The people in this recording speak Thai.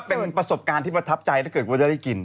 เป็นประสบการณ์ที่ประทับใจถ้าเกิดว่าจะได้กิน